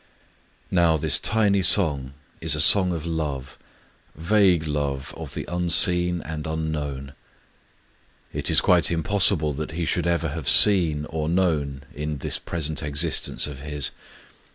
Now this tiny song is a song of love, — vague love of the unseen and unknown. It is quite im possible that he should ever have seen or known. Digitized by Googk KUSA HIBAHI 237 in this present existence of his.